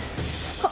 あっ！